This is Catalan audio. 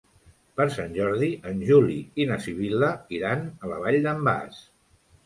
Per Sant Jordi en Juli i na Sibil·la iran a la Vall d'en Bas.